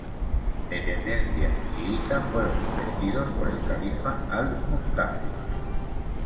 De tendencia chiita, fueron investidos por el califa Al-Muqtafi.